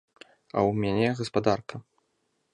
А ў мяне гаспадарка!